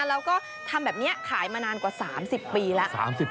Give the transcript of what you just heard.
แล้วก็ทำแบบนี้ขายมานานกว่า๓๐ปีแล้ว